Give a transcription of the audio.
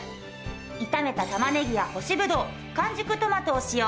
炒めた玉ねぎや干しぶどう完熟トマトを使用。